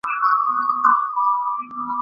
তিনি তর্কবাচস্পতি উপাধি লাভ করেন।